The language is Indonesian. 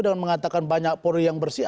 dan mengatakan banyak polri yang bersih